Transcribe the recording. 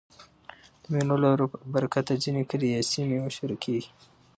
د مېلو له برکته ځيني کلي یا سیمې مشهوره کېږي.